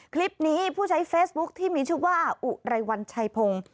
คลิปนี้ผู้ใช้เฟซบุ๊คที่มีชื่อว่าอุไรวันชัยพงศ์